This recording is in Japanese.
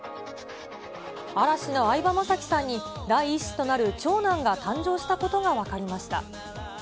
嵐の相葉雅紀さんに、第１子となる長男が誕生したことが分かりました。